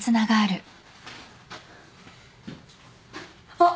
あっ！